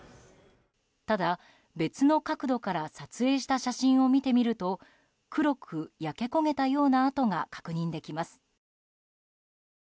ただ、別の角度から撮影した写真を見てみると黒く焼け焦げたような跡が確認できます。